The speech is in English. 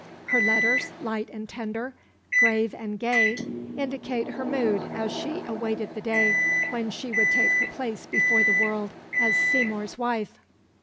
Her letters, light and tender, grave and gay, indicate her mood as she awaited the day when she would take her place before the world as Seymour's wife.